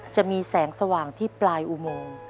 จะมีแสงสว่างที่ปลายอุโมง